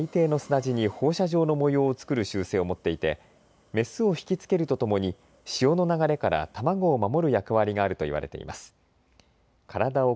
オスが海底の砂地に放射状の模様を作る習性を持っていてメスを引きつけるとともに潮の流れから卵を守る役割があると言われています。